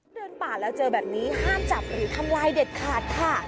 เดินป่าแล้วเจอแบบนี้ห้ามจับหรือทำลายเด็ดขาดค่ะ